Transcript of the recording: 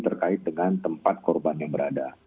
terkait dengan tempat korban yang berada